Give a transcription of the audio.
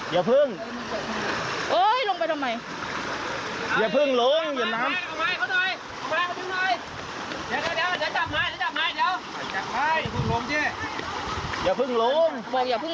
อย่าเพิ่งลงอย่าเพิ่งลงน้ำมันเชี่ยวนะ